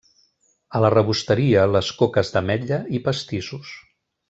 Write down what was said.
A la rebosteria les coques d'ametlla i pastissos.